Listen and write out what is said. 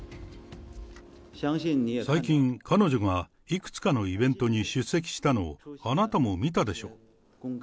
最近、彼女がいくつかのイベントに出席したのをあなたも見たでしょう。